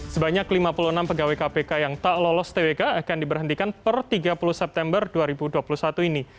sebanyak lima puluh enam pegawai kpk yang tak lolos twk akan diberhentikan per tiga puluh september dua ribu dua puluh satu ini